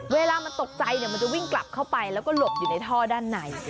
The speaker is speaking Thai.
เวลามันตกใจมันจะวิ่งกลับเข้าไปแล้วก็หลบอยู่ในท่อด้านใน